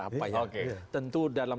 apa yang tentu dalam